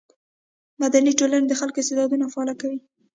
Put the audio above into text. مدني ټولنې د خلکو استعدادونه فعاله کوي.